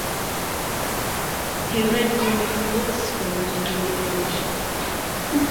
He read comic books from an early age.